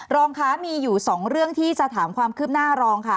รองคะมีอยู่๒เรื่องที่จะถามความคืบหน้ารองค่ะ